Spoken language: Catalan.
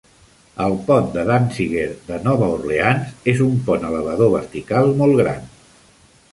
El pont de Danziger de Nova Orleans és un pont elevador vertical molt gran.